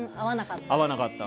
合わなかった。